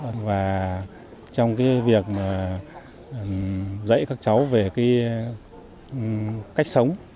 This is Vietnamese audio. các cháu và trong cái việc dạy các cháu về cái cách sống